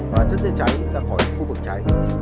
và chất dễ cháy ra khỏi khu vực cháy